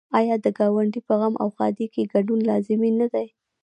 آیا د ګاونډي په غم او ښادۍ کې ګډون لازمي نه دی؟